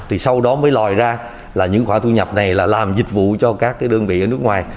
thì sau đó mới lòi ra là những khoản thu nhập này là làm dịch vụ cho các cái đơn vị ở nước ngoài